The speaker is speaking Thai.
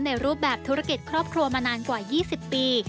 รูปแบบธุรกิจครอบครัวมานานกว่า๒๐ปี